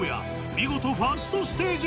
見事ファーストステージ